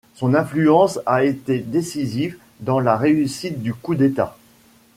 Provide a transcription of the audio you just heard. Son influence a été décisive dans la réussite du coup d'État.